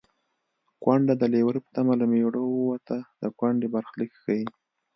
کونډه د لېوره په تمه له مېړه ووته د کونډې برخلیک ښيي